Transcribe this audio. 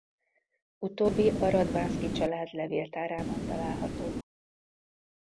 Utóbbi a Radvánszky család levéltárában található.